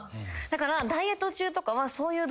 だから。